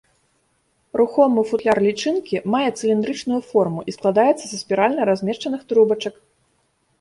Рухомы футляр лічынкі мае цыліндрычную форму і складаецца са спіральна размешчаных трубачак.